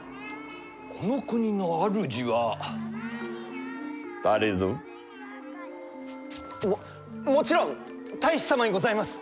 この国の主は誰ぞ？ももちろん太守様にございます！